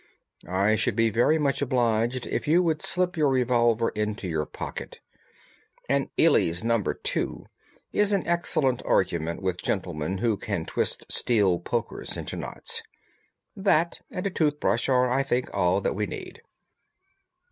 I should be very much obliged if you would slip your revolver into your pocket. An Eley's No. 2 is an excellent argument with gentlemen who can twist steel pokers into knots. That and a tooth brush are, I think, all that we need."